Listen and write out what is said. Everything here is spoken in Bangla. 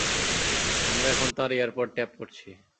আমরা এখন তার এয়ারপড ট্যাপ করছি।